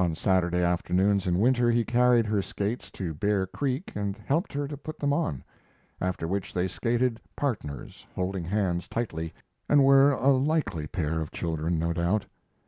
On Saturday afternoons in winter he carried her skates to Bear Creek and helped her to put them on. After which they skated "partners," holding hands tightly, and were a likely pair of children, no doubt.